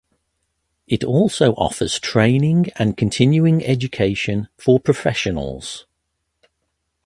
It also offers training and continuing education for professionals.